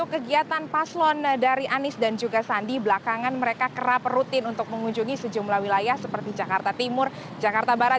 kegiatan paslon dari anies dan juga sandi belakangan mereka kerap rutin untuk mengunjungi sejumlah wilayah seperti jakarta timur jakarta barat